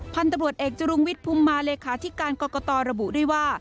พันธบริวัติเอกจรุงวิทย์ภุมมาเลขาที่การกรกตรระบุได้ว่า